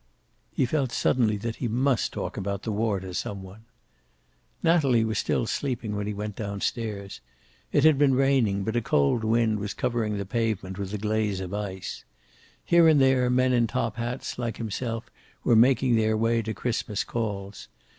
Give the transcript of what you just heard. He felt suddenly that he must talk about the war to some one. Natalie was still sleeping when he went down stairs. It had been raining, but a cold wind was covering the pavement with a glaze of ice. Here and there men in top hats, like himself, were making their way to Christmas calls.